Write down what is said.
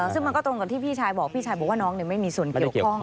ซึ่งมันก็ตรงกับที่พี่ชายบอกพี่ชายบอกว่าน้องไม่มีส่วนเกี่ยวข้อง